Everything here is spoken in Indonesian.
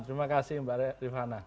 terima kasih mbak rifana